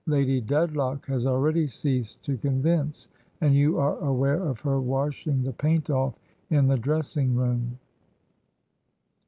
Lady Dedlock has already ceased to convince, and you are aware of her washing the paint off in the dress ing room.